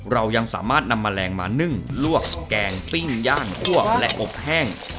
เรายังสามารถนำแมลงมานึ่งลวกแกงปิ้งย่างคั่วและอบแห้ง